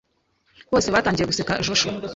Bose batangiye guseka Joshua.